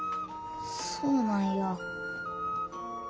そうなんや。